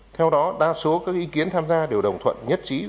theo đó đa số các ý kiến tham gia đều đồng thuận nhất trí